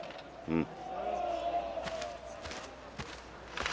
うん！